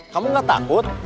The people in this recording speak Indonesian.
kamu gak takut